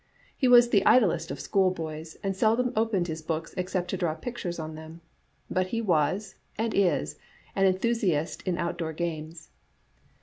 He was the idlest of schoolboys, and seldom opened his books except to draw pictures on them. But he was, and is, an enthusiast in outdoor games.